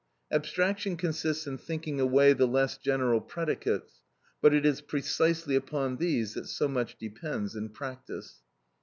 Abstraction consists in thinking away the less general predicates; but it is precisely upon these that so much depends in practice.